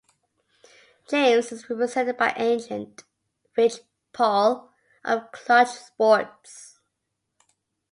James is represented by agent Rich Paul of Klutch Sports.